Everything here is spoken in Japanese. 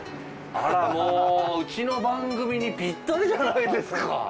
あらもううちの番組にピッタリじゃないですか。